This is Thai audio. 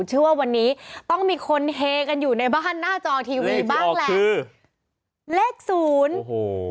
เชื่อว่าวันนี้ต้องมีคนเฮกันอยู่ในบ้านหน้าจอทีวีบ้างแหละเออเลขศูนย์โอ้โห